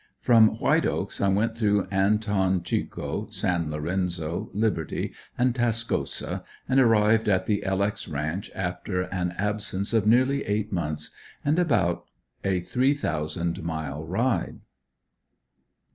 From White Oaks I went through Anton Chico, San Lorenzo, Liberty and Tascosa, and arrived at the "L. X." ranch after an absence of nearly eight months, and about a three thousand mile ride.